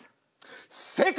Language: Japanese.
正解！